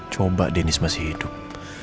curi belajar deniss masih hidup